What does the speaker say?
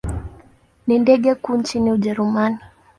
Ni ndege kuu nchini Ujerumani.